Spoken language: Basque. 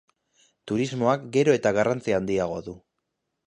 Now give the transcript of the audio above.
Turismoak gero eta garrantzi handiagoa du.